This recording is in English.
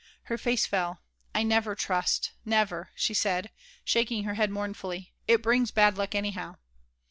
Her face fell. "I never trust. Never," she said, shaking her head mournfully. "It brings bad luck, anyhow."